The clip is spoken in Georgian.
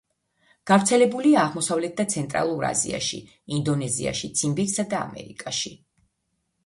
გავრცელებულია აღმოსავლეთ და ცენტრალურ აზიაში, ინდონეზიაში, ციმბირსა და ამერიკაში.